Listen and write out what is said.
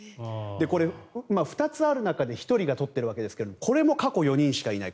これ、２つある中で１人が取っているわけですがこれも過去４人しかいない。